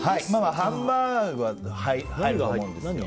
ハンバーグは入ると思うんですよ。